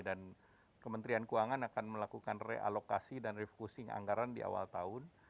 dan kementerian keuangan akan melakukan realokasi dan refocusing anggaran di awal tahun